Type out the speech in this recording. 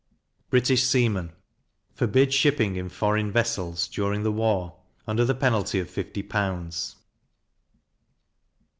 British Seamen forbid shipping in foreign vessels, during the war, under the penalty of fifty pounds.